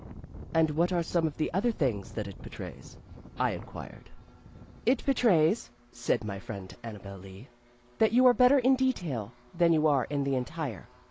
"And what are some of the other things that it betrays?" I inquired. "It betrays," said my friend Annabel Lee, "that you are better in detail than you are in the entire.